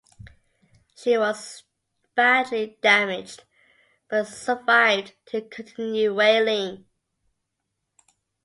She was badly damaged but survived to continue whaling.